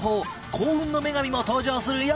幸運の女神も登場するよ！